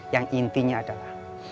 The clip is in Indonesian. yang intinya adalah